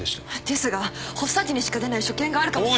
ですが発作時にしか出ない所見があるかも。